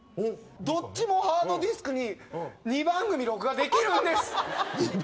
どっちもハードディスクに「２番組とれるんです！」。